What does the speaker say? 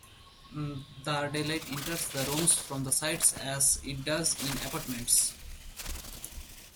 The daylight enters the rooms from the sides, as it does in apartments.